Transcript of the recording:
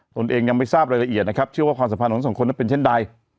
ตนเองยังไม่ทราบรายละเอียดนะครับเชื่อว่าความสัมพันธ์ของสองคนนั้นเป็นเช่นใด